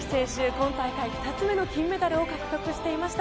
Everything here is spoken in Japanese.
今大会２つ目の金メダルを獲得していました。